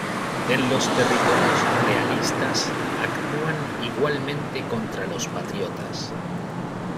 En los territorios realistas actúan igualmente contra los patriotas.